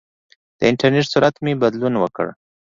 د انټرنېټ سرعت مې بدلون وکړ.